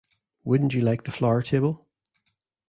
Wouldn't you like the flower-table?